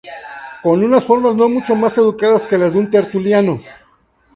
con unas formas no mucho más educadas que las de un tertuliano